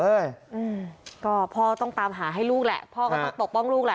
อืมก็พ่อต้องตามหาให้ลูกแหละพ่อก็ต้องปกป้องลูกแหละ